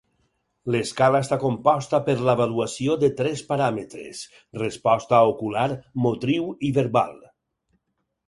L'escala està composta per l'avaluació de tres paràmetres: resposta ocular, motriu i verbal.